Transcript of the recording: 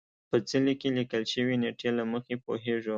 په څلي کې لیکل شوې نېټې له مخې پوهېږو.